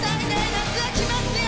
夏は来ますよ。